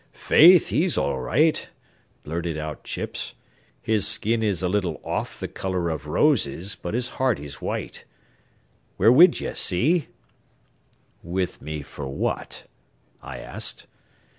"Faith, he's all right," blurted out Chips; "his skin is a little off th' color av roses, but his heart is white. We're wid ye, see?" "With me for what?" I asked.